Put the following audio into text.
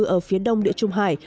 ở phía đông địa trung hải